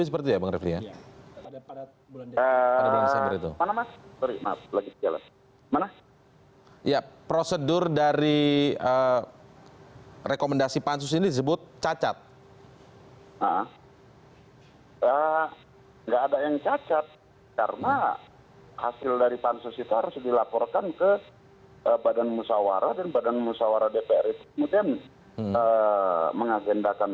pertanyaan saya selanjutnya begini bang masinton